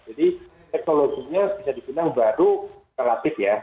jadi teknologinya bisa digunakan baru relatif ya